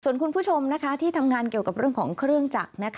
ส่วนคุณผู้ชมที่ทำงานเกี่ยวกับเรื่องของเครื่องจักร